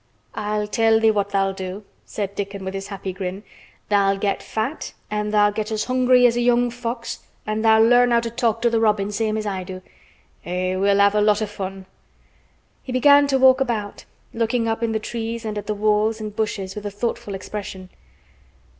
"I'll tell thee what tha'll do," said Dickon, with his happy grin. "Tha'll get fat an' tha'll get as hungry as a young fox an' tha'll learn how to talk to th' robin same as I do. Eh! we'll have a lot o' fun." He began to walk about, looking up in the trees and at the walls and bushes with a thoughtful expression.